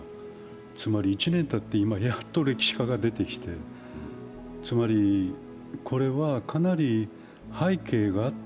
つまり１年たってやっと歴史家が出てきてつまりこれはかなり、背景があって